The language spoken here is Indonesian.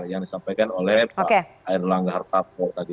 yang disampaikan oleh pak air langga hartarto tadi